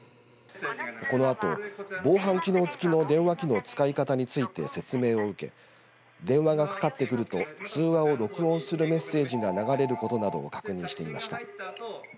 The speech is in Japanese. このあと防犯機能付きの電話機の使い方について説明を受け電話がかかってくると通話を録音するメッセージが流れることなどを確認していました。